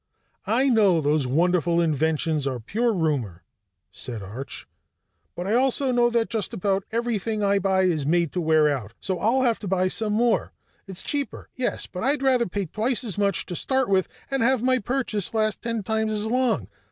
"I know those wonderful inventions are pure rumor," said Arch. "But I also know that just about everything I buy is made to wear out so I'll have to buy some more. It's cheaper, yes, but I'd rather pay twice as much to start with and have my purchase last ten times as long.